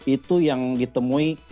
itu yang ditemui